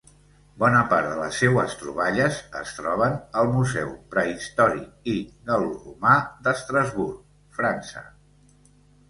Bona part de les seues troballes es troben al Museu Prehistòric i Gal·loromà d'Estrasburg, França.